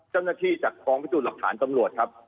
เจ้าหน้าที่จากกองพิสูจน์หลักฐานตำรวจครับ